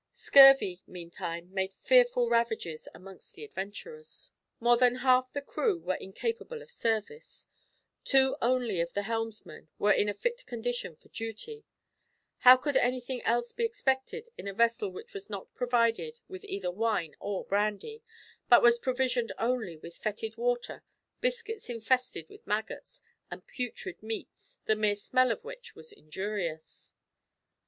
Scurvy meantime made fearful ravages amongst the adventurers. More than half the crew were incapable of service. Two only of the helmsmen were in a fit condition for duty. How could anything else be expected in a vessel which was not provided with either wine or brandy, but was provisioned only with foetid water, biscuits infested with maggots, and putrid meats, the mere smell of which was injurious?